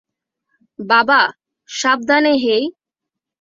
বাবা, সাবধানে হেই!